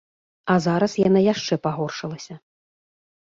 А зараз яна яшчэ пагоршылася.